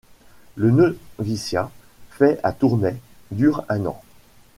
Le noviciat, fait à Tournai, dure un an.